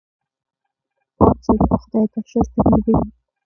پاک زړه د خدای درشل ته نږدې وي.